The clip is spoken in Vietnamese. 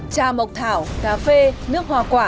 chà mộc thảo cà phê nước hòa quốc